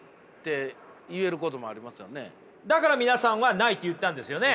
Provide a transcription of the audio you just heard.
だから皆さんはないと言ったんですよね？